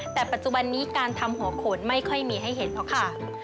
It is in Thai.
แต่ปัจจุบันนี้การทำหัวโขนไม่ค่อยมีให้เห็นเพราะค่ะ